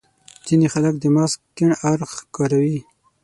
ځينې خلک د مغز کڼ اړخ کاروي.